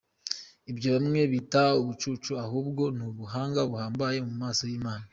Ibyo bamwe bita ubucucu ahubwo nubuhanga buhambaye mu maso y Imana.